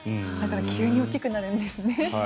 だから急に大きくなるんですね。